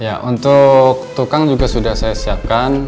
ya untuk tukang juga sudah saya siapkan